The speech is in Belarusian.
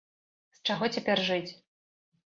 З чаго цяпер жыць?